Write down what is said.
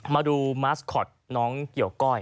มาดูมาสคอตน้องเกี่ยวก้อย